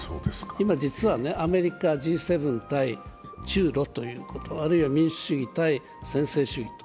今、実はアメリカ、Ｇ７対中ロということ、あるいは民主主義対専制主義と。